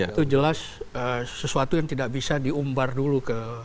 itu jelas sesuatu yang tidak bisa diumbar dulu ke